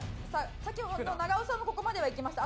先ほど長尾さんもここまではいきました。